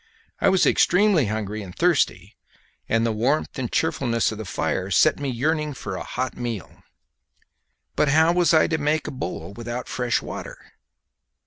I was extremely hungry and thirsty, and the warmth and cheerfulness of the fire set me yearning for a hot meal. But how was I to make a bowl without fresh water?